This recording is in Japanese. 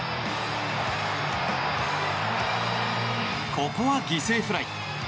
ここは犠牲フライ。